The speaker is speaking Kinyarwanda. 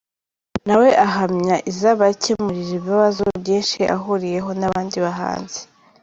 Nawe ahamya izabakemurira ibibazo byinshi ahuriyeho n’abandi bahanzi.